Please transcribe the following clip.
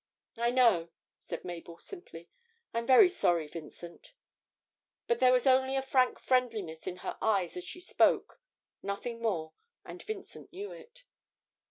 'I know,' said Mabel, simply; 'I'm very sorry, Vincent.' But there was only a frank friendliness in her eyes as she spoke, nothing more, and Vincent knew it.